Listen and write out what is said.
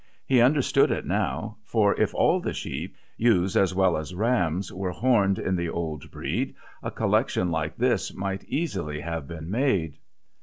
He understood it now, for if all the sheep, ewes as well as rams, were horned in the old breed, a collection like this might easily have been made.